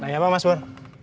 nanya apa mas bur